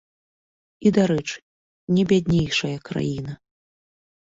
І, дарэчы, не бяднейшая краіна!